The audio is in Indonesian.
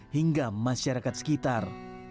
hingga masyarakat sekitar